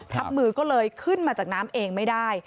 ทับมือก็เลยขึ้นมาจากน้ำเองไม่ได้